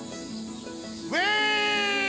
ウェイ！